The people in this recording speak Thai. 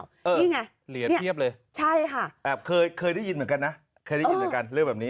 นี่ไงนี่ใช่ค่ะคือเคยได้ยินเหมือนกันนะเคยได้ยินเหมือนกันเรื่องแบบนี้